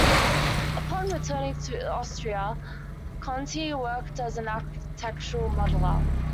Upon returning to Austria, Konti worked as an architectural modeler.